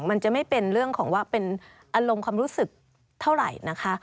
มันจะไม่เป็นเรื่องของว่าเป็นอารมณ์ความรู้สึกเท่าไหร่นะคะ